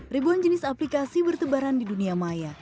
ribuan jenis aplikasi bertebaran di dunia maya